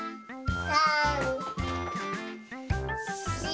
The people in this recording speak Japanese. ３！４！